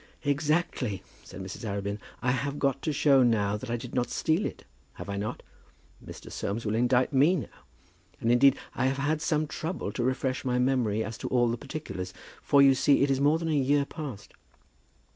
"Exactly," said Mrs. Arabin. "I have got to show now that I did not steal it, have I not? Mr. Soames will indict me now. And, indeed, I have had some trouble to refresh my memory as to all the particulars, for you see it is more than a year past."